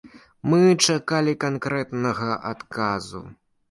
Мы чакалі канкрэтнага адказу.